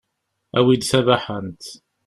Awi-d tabaḥant.